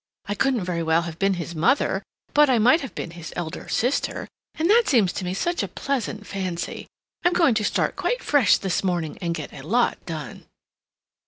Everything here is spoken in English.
I couldn't very well have been his mother, but I might have been his elder sister, and that seems to me such a pleasant fancy. I'm going to start quite fresh this morning, and get a lot done."